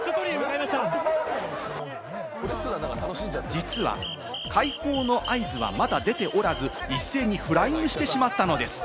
実は開放の合図はまだ出ておらず、一斉にフライングしてしまったのです。